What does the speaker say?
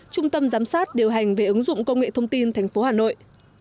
trung tâm giám sát điều hành về ứng dụng công nghệ thông tin thành phố hà nội